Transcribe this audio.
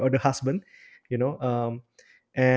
yaitu istri atau suami